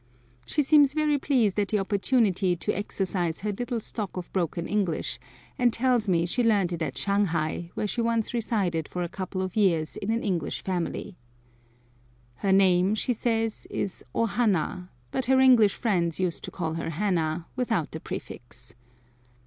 She seems very pleased at the opportunity to exercise her little stock of broken English, and tells me she learned it at Shanghai, where she once resided for a couple of years in an English family. Her name, she says, is O hanna, but her English friends used to call her Hannah, without the prefix.